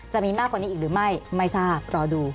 จะมีมากกว่านี้อีกหรือไม่ไม่ทราบรอดู